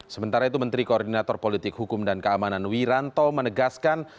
sementara itu menteri koordinator politik hukum dan keamanan wiranto menegaskan